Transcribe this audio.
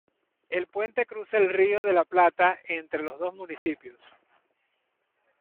El puente cruza el Río de la Plata entre los dos municipios.